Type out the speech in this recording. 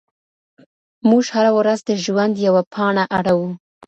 موږ هره ورځ د ژوند یوه پاڼه اړوو.